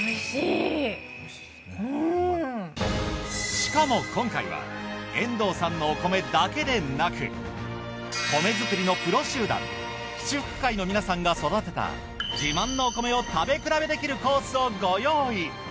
しかも今回は遠藤さんのお米だけでなく米作りのプロ集団七福会の皆さんが育てた自慢のお米を食べ比べできるコースをご用意。